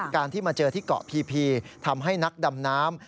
การที่มาเจอที่เกาะพีทำให้นักดำน้ำ